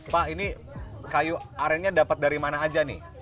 pak ini kayu arennya dapat dari mana aja nih